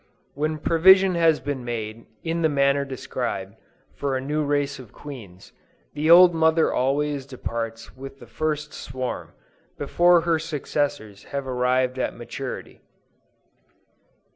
When provision has been made, in the manner described, for a new race of queens, the old mother always departs with the first swarm, before her successors have arrived at maturity.